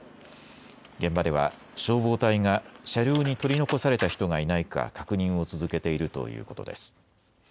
現場では消防隊が車両に取り残された人がいないか確認を続けているということです。